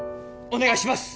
お願いします！